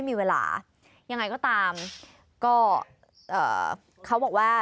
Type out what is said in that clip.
เขาบอกว่า